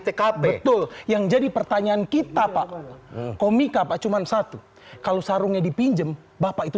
tkp betul yang jadi pertanyaan kita pak komik apa cuma satu kalau sarungnya dipinjem bapak itu